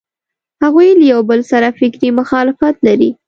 هغوی له یوبل سره فکري مخالفت لري.